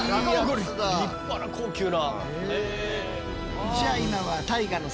立派な高級な。